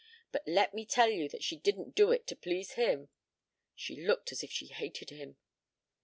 But let me tell you that she didn't do it to please him. She looked as if she hated him."